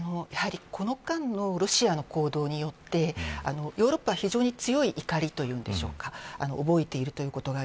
この間のロシアの行動によってヨーロッパは非常に強い怒りというかそういったものを覚えています。